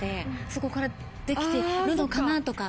そこから出来てるのかなとか。